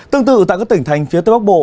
tương tự tại các tỉnh thành phía tây bắc bộ